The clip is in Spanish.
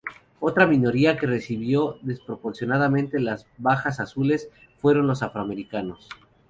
Otra minoría que recibió desproporcionadamente las bajas azules fueron los afroamericanos.